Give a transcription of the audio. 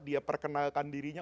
dia perkenalkan dirinya